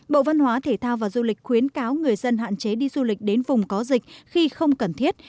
bộ văn hóa thể thao và du lịch khuyến cáo người dân hạn chế đi du lịch đến vùng có dịch khi không cần thiết